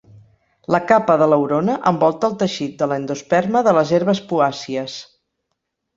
La capa d'aleurona envolta el teixit de l'endosperma de les herbes poàcies.